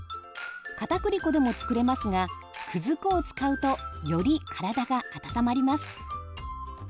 かたくり粉でも作れますがくず粉を使うとより体が温まります。